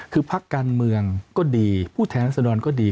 คือพักการเมืองก็ดีผู้แทนรัศดรก็ดี